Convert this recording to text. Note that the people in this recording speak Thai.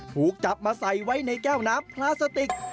ถูกจับมาใส่ไว้ในแก้วน้ำพลาสติก